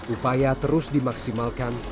upaya terus dimaksimalkan